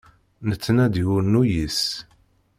Nettnadi ur nuyis.